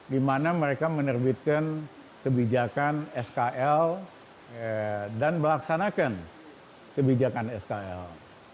di mana mereka menerbitkan kebijakan skl dan melaksanakan kebijakan skl